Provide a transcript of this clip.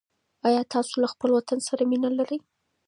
آیا تاسو له خپل وطن سره مینه لرئ؟